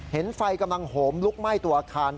เห็นไฟกำลังโหมลุกไหม้ตัวอาคาร